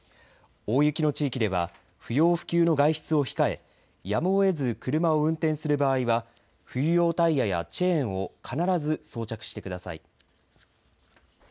大雪の地域では不要不急の外出を控えやむをえず車を運転する場合は冬用タイヤやチェーンを必ず装着してください。